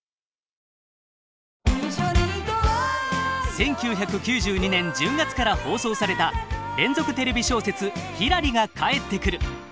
１９９２年１０月から放送された連続テレビ小説「ひらり」が帰ってくる！